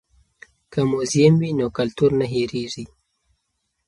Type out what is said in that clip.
که موزیم وي نو کلتور نه هیریږي.